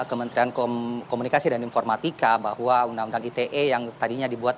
kementerian komunikasi dan informatika bahwa undang undang ite yang tadinya dibuat